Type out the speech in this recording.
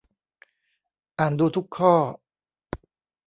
อ่านดูทุกข้อ